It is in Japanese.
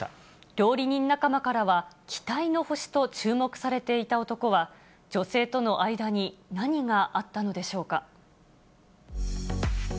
料理人仲間からは、期待の星と注目されていた男は、女性との間に何があったのでしょうか。